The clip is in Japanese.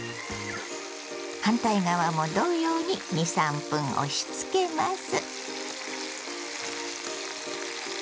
反対側も同様に２３分押しつけます。